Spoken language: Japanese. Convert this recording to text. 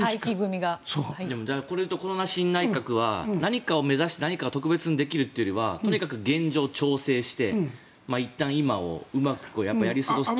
じゃあ、この新内閣は何かを目指して何かを特別にできるというよりはとにかく現状を調整していったん、今をうまくやり過ごす。